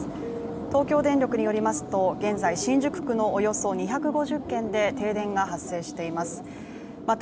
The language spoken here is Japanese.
東京電力によりますと、現在、新宿区のおよそ２５０軒で停電が発生しています。